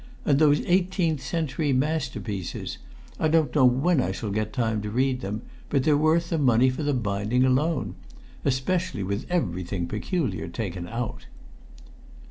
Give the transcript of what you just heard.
And those Eighteenth Century Masterpieces I don't know when I shall get time to read them, but they're worth the money for the binding alone especially with everything peculiar taken out!"